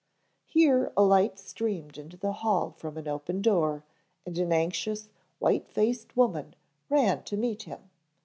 Here a light streamed into the hall from an open door and an anxious, white faced woman ran to meet him.